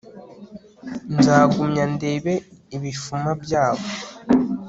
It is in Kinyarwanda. nzagumya ndebe ibifuma byabo